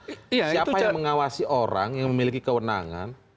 siapa yang mengawasi orang yang memiliki kewenangan